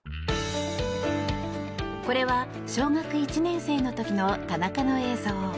これは小学１年生の時の田中の映像。